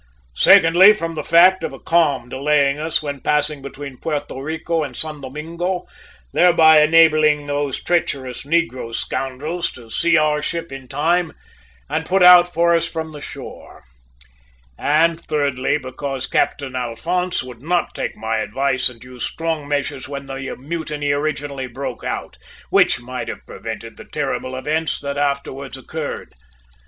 Secondly, from the fact of a calm delaying us when passing between Puerto Rico and San Domingo, thereby enabling those treacherous negro scoundrels to see our ship in time to put out for us from the shore; and thirdly, because Captain Alphonse would not take my advice and use strong measures when the mutiny originally broke out, which might have prevented the terrible events that afterwards occurred!